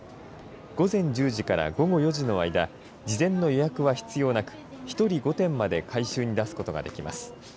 午前１０時から午後４時の間、事前の予約は必要なく１人５点まで回収に出すことができます。